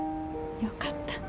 よかった。